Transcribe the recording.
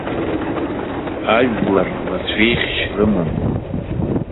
Ажәлар лацәеихьшь рымам.